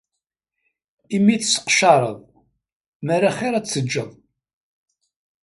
Imi tecceqcaṛed, mer axiṛ ad teǧǧeḍ.